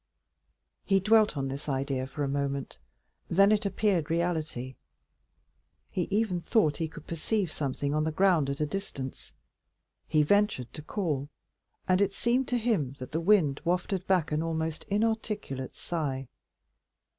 He dwelt on this idea for a moment, then it appeared reality. He even thought he could perceive something on the ground at a distance; he ventured to call, and it seemed to him that the wind wafted back an almost inarticulate sigh.